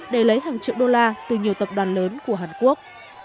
để lấy hàng triệu đô la từ nhiều tập đoàn lớn của hàn quốc